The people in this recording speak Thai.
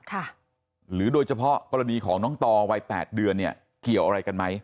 ค่ะหรือโดยเฉพาะกรณีของน้องตอวัย๘เดือนเกี่ยวอะไรกันไหม